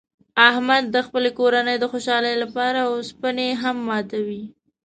احمد د خپلې کورنۍ د خوشحالۍ لپاره اوسپنې هم ماتوي.